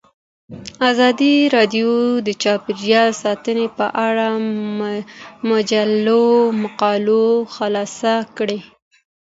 ازادي راډیو د چاپیریال ساتنه په اړه د مجلو مقالو خلاصه کړې.